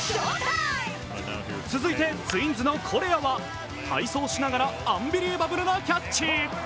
続いて、ツインズのコレアは背走しながらアンビリーバブルなキャッチ。